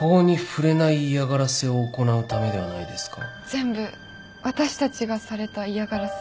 全部私たちがされた嫌がらせ。